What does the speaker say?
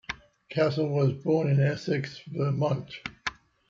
Castle was born in Essex, Vermont.